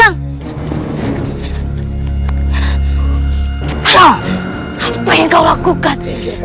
apa yang kau lakukan